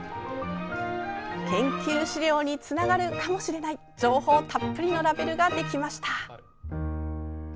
研究資料につながるかもしれない情報たっぷりのラベルができました。